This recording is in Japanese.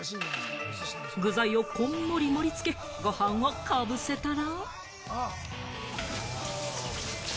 具材をこんもり盛りつけ、ご飯をかぶせたら。